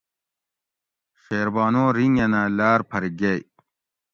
شیربانو رِینگینہ لاۤر پھر گیئے